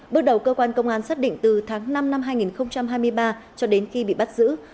bước đầu cơ quan công an xác định từ tháng năm năm hai nghìn hai mươi ba cho đến khi bị bắt giữ